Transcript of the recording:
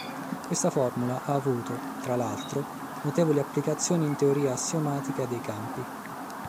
Questa formula ha avuto, tra l'altro, notevoli applicazioni in teoria assiomatica dei campi.